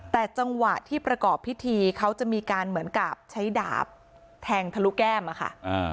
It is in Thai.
แต่จังหวะที่ประกอบพิธีเขาจะมีการเหมือนกับใช้ดาบแทงทะลุแก้มอะค่ะ